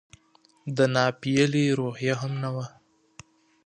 د ناپیېلې روحیه هم نه وه.